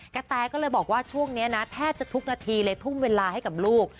แตก็เลยบอกว่าช่วงนี้นะแทบจะทุกนาทีเลยทุ่มเวลาให้กับลูก